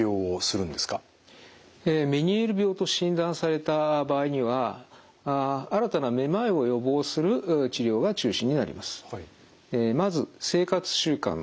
メニエール病と診断された場合には新たなめまいを予防する治療が中心になります。